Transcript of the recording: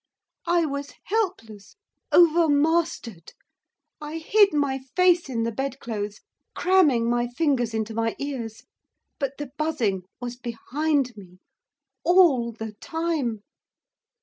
I was helpless, overmastered. I hid my face in the bedclothes, cramming my fingers into my ears. But the buzzing was behind me all the time.